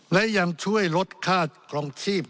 และยังช่วยลดค่าครองชีพ